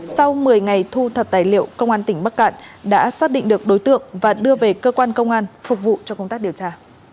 sau một mươi ngày thu thập tài liệu công an tỉnh bắc cạn đã xác định được đối tượng và đưa về cơ quan công an phục vụ cho công tác điều tra